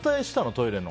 トイレを。